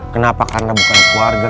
kenapa karena bukan keluarga